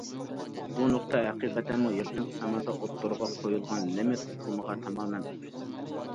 بۇ نۇقتا ھەقىقەتەنمۇ يېقىنقى زاماندا ئوتتۇرىغا قويۇلغان لىمىت ئۇقۇمىغا تامامەن ئوخشايدۇ.